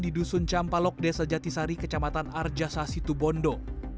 di dusun campalok desa jatisari kecamatan arja sasi tubondo